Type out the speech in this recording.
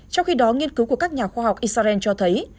trong khi đó nghiên cứu của các nhà khoa học israel cho thấy